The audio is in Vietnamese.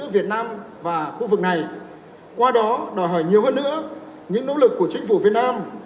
và khu vực này qua đó đòi hỏi nhiều hơn nữa những nỗ lực của chính phủ việt nam